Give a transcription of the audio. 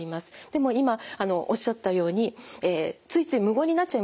でも今おっしゃったようについつい無言になっちゃいますよね。